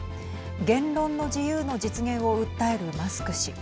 言論の自由の実現を訴えるマスク氏。